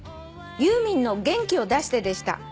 ユーミンの『元気を出して』でした」